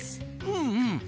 うん！